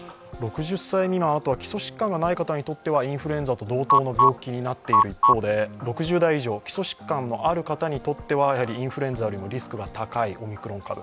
６０歳未満、あとは基礎疾患がない方にとってはインフルエンザと同等の病気になっている一方で、６０代以上、基礎疾患のある方にとっては、やはりインフルエンザよりもリスクが高いオミクロン株。